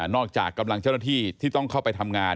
จากกำลังเจ้าหน้าที่ที่ต้องเข้าไปทำงาน